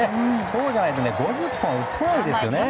そうじゃないと５０本打てないですよね。